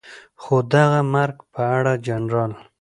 خو د هغه مرګ په اړه جنرال